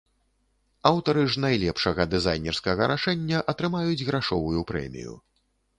Аўтары ж найлепшага дызайнерскага рашэння атрымаюць грашовую прэмію.